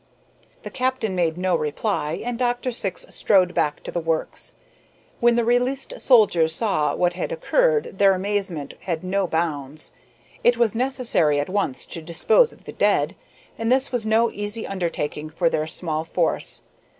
The captain made no reply, and Dr. Syx strode back to the works. When the released soldiers saw what had occurred their amazement had no bounds. It was necessary at once to dispose of the dead, and this was no easy undertaking for their small force.